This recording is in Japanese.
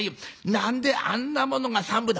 何であんなものが３分だ？」。